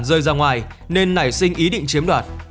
rơi ra ngoài nên nảy sinh ý định chiếm đoạt